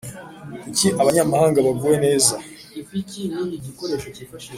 Kuki abanyamahanga baguwe neza